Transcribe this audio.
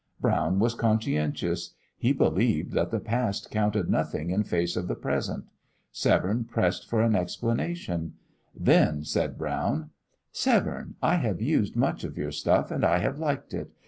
Brown was conscientious. He believed that the past counted nothing in face of the present. Severne pressed for an explanation. Then said Brown: "Severne, I have used much of your stuff, and I have liked it.